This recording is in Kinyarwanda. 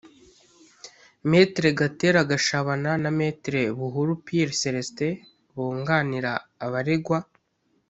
Me Gatera Gashabana na Me Buhuru Pierre Celestin bunganira abaregwa